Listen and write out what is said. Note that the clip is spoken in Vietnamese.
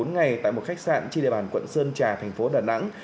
một mươi bốn ngày tại một khách sạn trên địa bàn quận sơn trà thành phố đà nẵng